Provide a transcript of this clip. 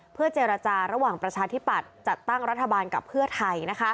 เพื่อเจรจาระหว่างประชาธิปัตย์จัดตั้งรัฐบาลกับเพื่อไทย